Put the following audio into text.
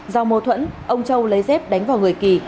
do mâu thuẫn ông châu lấy dép đánh vào người kỳ